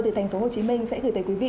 từ thành phố hồ chí minh sẽ gửi tới quý vị